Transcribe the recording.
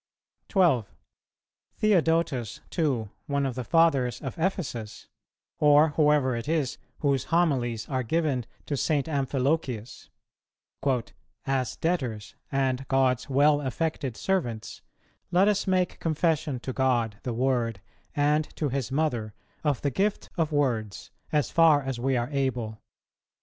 12. Theodotus too, one of the Fathers of Ephesus, or whoever it is whose Homilies are given to St. Amphilochius: "As debtors and God's well affected servants, let us make confession to God the Word and to His Mother, of the gift of words, as far as we are able.